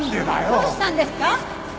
どうしたんですか？